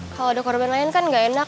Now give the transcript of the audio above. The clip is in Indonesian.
kalo ada korban lain kan gak enak